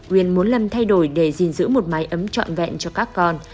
uyên muốn lầm thay đổi để gìn giữ một mái ấm trọn vẹn cho các con